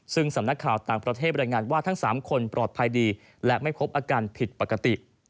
ซึ่งสำนักข่าวต่างประเทศรายงานว่าทั้ง๓คนปลอดภัยดีและไม่พบอาการผิดปกติ